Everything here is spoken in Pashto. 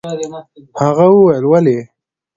هغه وويل: ولې؟